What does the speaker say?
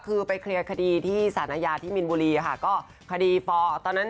คือไปเคลียร์คดีที่สารอาญาที่มินบุรีค่ะก็คดีฟอร์ตอนนั้น